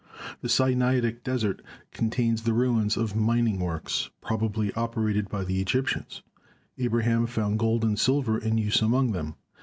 The Sinaitic desert con tains the ruins of mining works, probably operated by the Egyptians. Abraham found gold and silver in use among them.